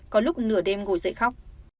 có lúc nửa đêm ngồi dậy khóc